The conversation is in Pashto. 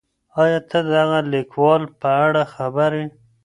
ایا ته د دغه لیکوال په اړه خبر یې؟